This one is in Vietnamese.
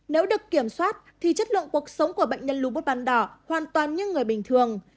nếu được kiểm soát thì chất lượng cuộc sống của bệnh nhân lũ bút ban đảo hoàn toàn như người bình thường